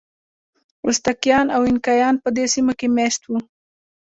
ازتکیان او اینکایان په دې سیمو کې مېشت وو.